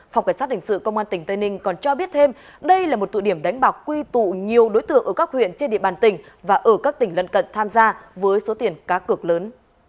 phòng cảnh sát hình sự công an tỉnh tây ninh còn cho biết thêm đây là một tụ điểm đánh bạc quy tụ nhiều đối tượng ở các huyện trên địa bàn tỉnh và ở các tỉnh lân cận tham gia với số tiền cá cược lớn